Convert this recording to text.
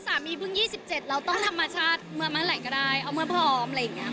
สามีเพิ่งยี่สิบเจ็ดแล้วต้องธรรมชาติเมื่อมหาแหล่งก็ได้เอาเมื่อพร้อมอะไรอย่างเงี้ย